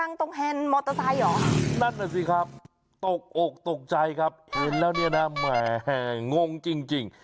นั่นน่ะสิครับตกอกตกใจครับเห็นแล้วเนี่ยนะงงจริง